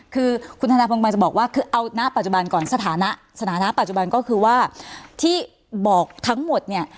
คือคุณธนพงมาจะบอกว่าคือเอาณปัจจุบันก่อนสถานะสถานะปัจจุบันก็คือว่าที่บอกทั้งหมดเนี่ย